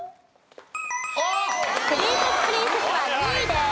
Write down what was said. プリンセスプリンセスは２位です。